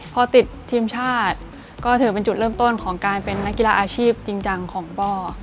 พอติดทีมชาติก็ถือเป็นจุดเริ่มต้นของการเป็นนักกีฬาอาชีพจริงจังของป้อ